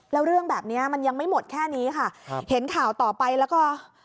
แล้วเรื่องแบบเนี้ยมันยังไม่หมดแค่นี้ค่ะครับเห็นข่าวต่อไปแล้วก็